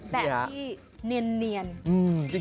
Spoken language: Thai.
แบบที่เนียน